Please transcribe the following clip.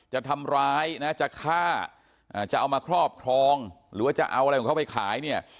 จะทำร้ายนะจะฆ่าจะเอามาครอบครองหรือว่าจะเอาอะไรของเขาไปขายเนี่ย